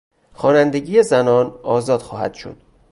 خوانندگی زنان آزاد خواهد شد